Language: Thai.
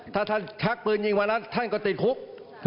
ถ้าท่านชักปืนยิงวันนั้นท่านก็ติดคุก